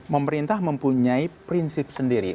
pemerintah mempunyai prinsip sendiri